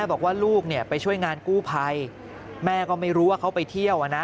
บอกว่าลูกเนี่ยไปช่วยงานกู้ภัยแม่ก็ไม่รู้ว่าเขาไปเที่ยว